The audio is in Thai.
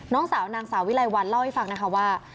น้องสาวนางสาววิไลวันเล่าให้ฟังนะคะว่า